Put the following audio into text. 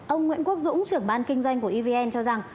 ông nguyễn quốc dũng trưởng ban kinh doanh của evn cho rằng